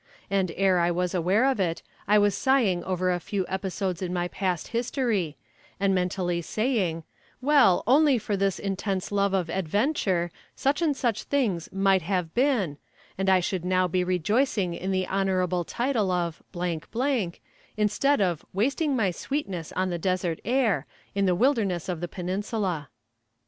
And ere I was aware of it, I was sighing over a few episodes in my past history and mentally saying, well, only for this intense love of adventure, such and such things "might have been," and I should now be rejoicing in the honorable title of , instead of "wasting my sweetness on the desert air," in the wilderness of the Peninsula.